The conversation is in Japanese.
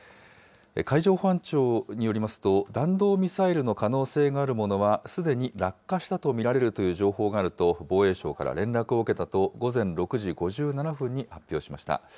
海上保安庁によりますと、弾道ミサイルの可能性のあるものは、すでに落下したと見られるという情報があると、防衛省から連絡を受けたと、午前６時５７分に発表しました。